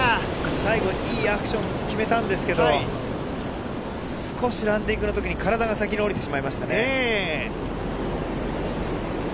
最後、いいアクション決めたんですけど、少しランディングのときに体が先に下りてしまいましたね。